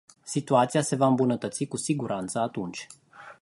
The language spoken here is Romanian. Situația se va îmbunătăți cu siguranță atunci.